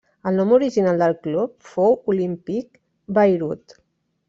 El nom original del club fou Olympic Beirut.